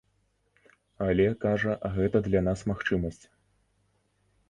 Але, кажа, гэта для нас магчымасць.